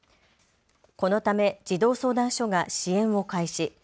このため児童相談所が支援を開始。